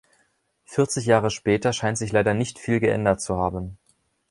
Vierzig Jahre später scheint sich leider nicht viel geändert zu haben.